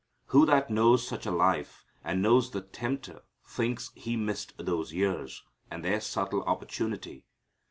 Who that knows such a life, and knows the tempter, thinks he missed those years, and their subtle opportunity?